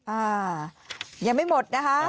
อ่ายังไม่หมดนะคะ